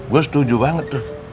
gue setuju banget tuh